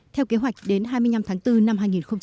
theo kế hoạch đến hai mươi năm tháng bốn năm hai nghìn hai mươi